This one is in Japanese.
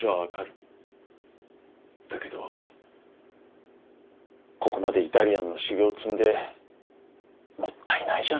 だけどここまでイタリアンの修業を積んでもったいないじゃないですか。